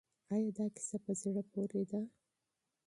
آیا دا کیسه په زړه پورې ده؟